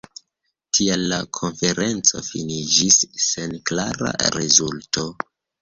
Tial la konferenco finiĝis sen klara rezulto.